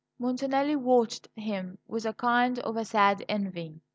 Montanelli watched him with a kind of sad envy.